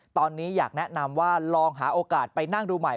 ตอนนี้อยากแนะนำว่าลองหาโอกาสไปนั่งดูใหม่